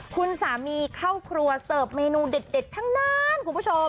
คุณสามีเข้าครัวเสิร์ฟเมนูเด็ดทั้งนั้นคุณผู้ชม